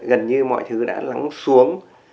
gần như mọi thứ đã lắng xuống